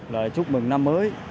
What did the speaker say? lời chúc mừng năm mới